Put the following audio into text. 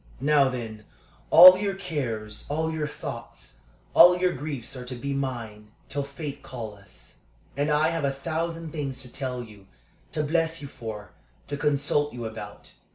"Now, then, all your cares, all your thoughts, all your griefs are to be mine till fate call us. And I have a thousand things to tell you, to bless you for, to consult you about.